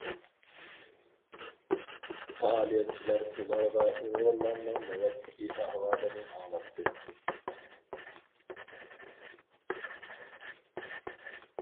پائالىيەتچىلەر ئۇلارغا ئۇيغۇرلارنىڭ نۆۋەتتىكى ئەھۋالىنى ئاڭلاتتى.